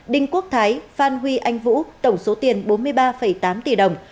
đinh quốc thái phan huy anh vũ tổng số tiền bốn mươi ba tám tỷ đồng